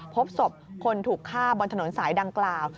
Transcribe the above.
พบศพคนถูกฆ่าบนถนนสายดังกล่าว